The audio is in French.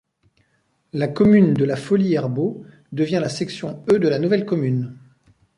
La commune de La Folie-Herbault devient la section E de la nouvelle commune.